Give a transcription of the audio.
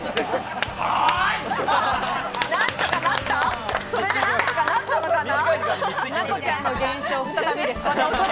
はーい！それで何とかなったのかな？